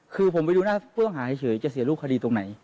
คือผมไปดูหน้าผู้ต้องหาเฉยจะเสียรูปคดีตรงไหน